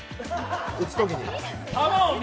打つときに。